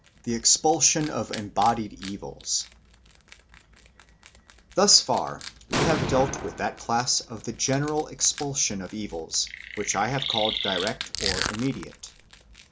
The Expulsion of Embodied Evils THUS far we have dealt with that class of the general expulsion of evils which I have called direct or immediate.